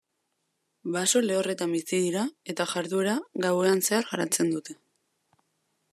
Baso lehorretan bizi dira eta jarduera gauean zehar garatzen dute.